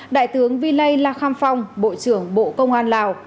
đại tướng vilay lakham phong bộ trưởng bộ công an lào